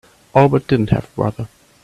Albert didn't have a brother.